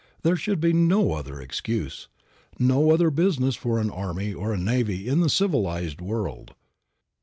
There should be no other excuse, no other business for an army or a navy in the civilized world.